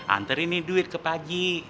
anterin nih duit ke pak aji